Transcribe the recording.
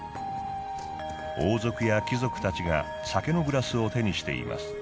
王族や貴族たちが酒のグラスを手にしています。